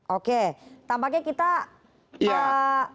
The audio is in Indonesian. oke tampaknya kita mengalami